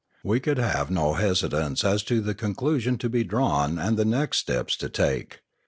We could have no hesitance as to the conclusion to be drawn and the next steps to take.